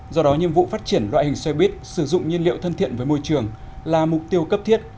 do đó nhiệm vụ phát triển loại hình xoay bít sử dụng nhiên liệu thân thiện với môi trường là mục tiêu cấp thiết